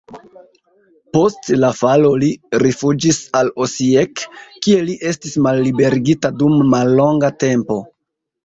Post la falo li rifuĝis al Osijek, kie li estis malliberigita dum mallonga tempo.